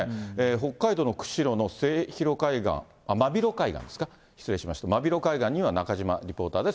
北海道の釧路のすえひろ海岸、まびろ海岸ですか、失礼しました、末広海岸には中島リポーターです。